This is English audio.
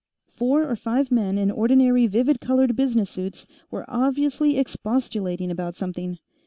Four or five men in ordinarily vivid colored business suits were obviously expostulating about something.